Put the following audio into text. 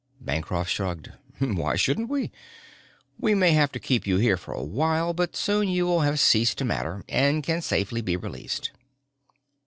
Bancroft shrugged. "Why shouldn't we? We may have to keep you here for awhile but soon you will have ceased to matter and can safely be released."